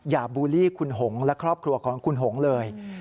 บูลลี่คุณหงและครอบครัวของคุณหงเลย